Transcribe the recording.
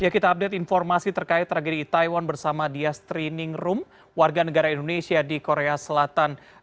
kita update informasi terkait tragedi itaewon bersama dias triningrum warga negara indonesia di korea selatan